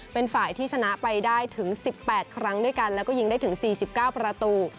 เป็นฝ่ายที่ชนะไปได้ถึง๑๘ครั้งด้วยกันแล้วก็ยิงได้ถึง๔๙ประตู